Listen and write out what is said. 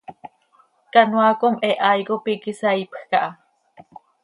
Canoaa com he hai cop iiqui saaipj caha.